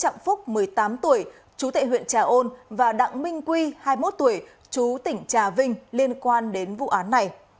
đặng phúc một mươi tám tuổi chú tệ huyện trà ôn và đặng minh quy hai mươi một tuổi chú tỉnh trà vinh liên quan đến vụ án này